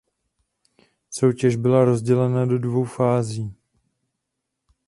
Soutěž byla rozdělena do dvou fází.